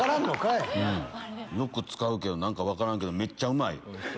よく使うけど何か分からんけどめっちゃうまい！